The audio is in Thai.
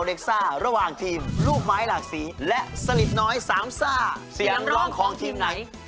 ได้สำเร็จ